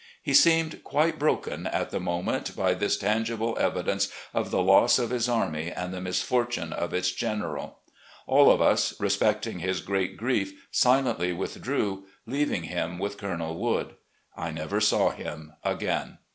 He seemed quite broken at the moment by this tangible evidence of the loss of his army and the misforttme of its general. All of us, respecting his great grief, silently withdrew, leaving him with Colonel Wood. I never saw him again.